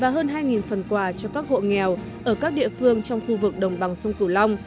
và hơn hai phần quà cho các hộ nghèo ở các địa phương trong khu vực đồng bằng sông cửu long